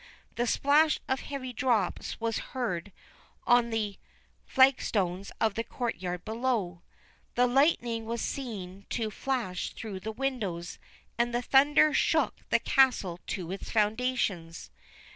The splash of heavy drops was heard on the flagstones of the courtyard below. The lightning was seen to flash through the windows, and the thunder shook the castle to its foundations.